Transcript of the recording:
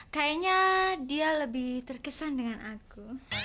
kayaknya dia lebih terkesan dengan aku